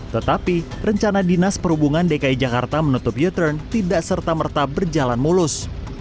tetapi rencana dinas perhubungan dki jakarta menutup u turn tidak serta merta berjalan mulus